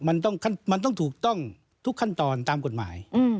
มันต้องถูกต้องทุกขั้นตอนตามกฎหมาย